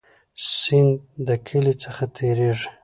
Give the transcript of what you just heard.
سیند د کلی څخه تیریږي